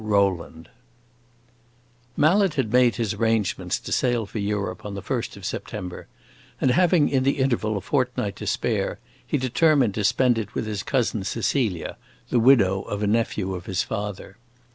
Rowland Mallet had made his arrangements to sail for Europe on the first of September, and having in the interval a fortnight to spare, he determined to spend it with his cousin Cecilia, the widow of a nephew of his father.